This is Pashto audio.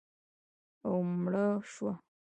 او مړه شوه